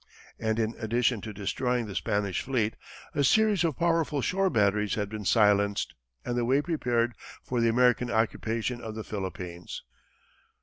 And, in addition to destroying the Spanish fleet, a series of powerful shore batteries had been silenced, and the way prepared for the American occupation of the Philippines.